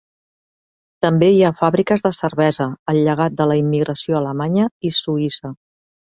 També hi ha fàbriques de cervesa, el llegat de la immigració alemanya i suïssa.